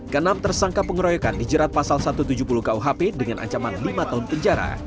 kenam tersangka pengeroyokan dijerat pasal satu ratus tujuh puluh kuhp dengan ancaman lima tahun penjara